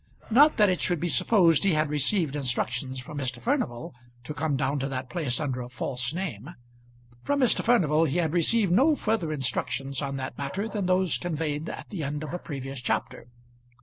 Not that it should be supposed he had received instructions from Mr. Furnival to come down to that place under a false name. From Mr. Furnival he had received no further instructions on that matter than those conveyed at the end of a previous chapter.